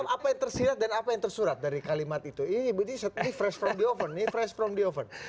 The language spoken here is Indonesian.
apa yang tersirat dan apa yang tersurat dari kalimat itu ini fresh from the oven